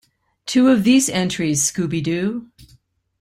Two of these entries, Scooby-Doo!